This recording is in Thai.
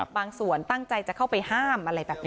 บางส่วนตั้งใจจะเข้าไปห้าม